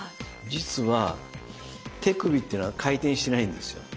実は手首っていうのは回転しないんですよ。